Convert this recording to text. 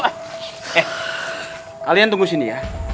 eh kalian tunggu sini ya